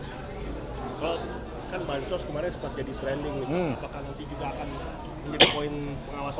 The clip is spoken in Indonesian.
kalau kan bansos kemarin sempat jadi trending gitu apakah nanti juga akan menjadi poin pengawasan